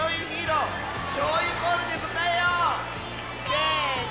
せの！